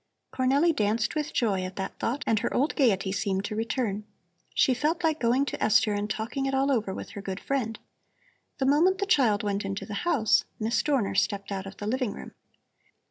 Cornelli danced with joy at that thought, and her old gaiety seemed to return. She felt like going to Esther and talking it all over with her good old friend. The moment the child went into the house, Miss Dorner stepped out of the living room.